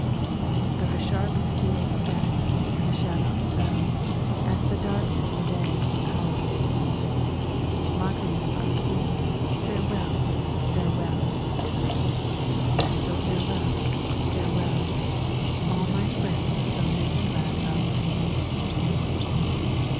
But the sharp steel sped, and the shadows fell, As the darkness the day o'erpowers. "Magnus our king, farewell, farewell!" "So farewell, farewell, All my friends of so many glad hours."